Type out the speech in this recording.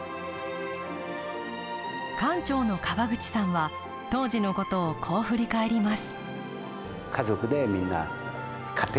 館長の川口さんは当時のことを、こう振り返ります。